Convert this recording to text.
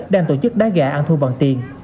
đang tổ chức đá gà ăn thua bằng tiền